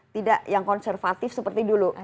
tidak yang konservatif seperti dulu